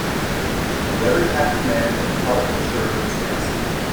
A very happy man in a colorful shirt is dancing.